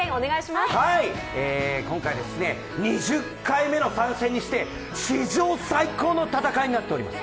今回、２０回目の参戦にして史上最高の戦いになっております。